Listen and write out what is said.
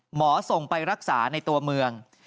ส่งไปรักษาในตัวเมือง